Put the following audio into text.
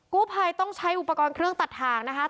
กู้ภัยต้องใช้อุปกรณ์เครื่องตัดทางนะคะ